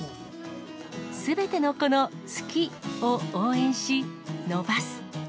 すべての子の好きを応援し、伸ばす。